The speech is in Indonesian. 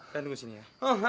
tahan tunggu sini ya